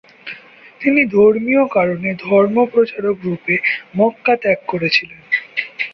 তিনি ধর্মীয় কারণে ধর্মপ্রচারক রূপে মক্কা ত্যাগ করেছিলেন।